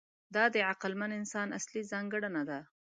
دا د عقلمن انسان اصلي ځانګړنه ده.